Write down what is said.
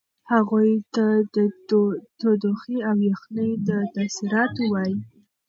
هغوی ته د تودوخې او یخنۍ د تاثیراتو وایئ.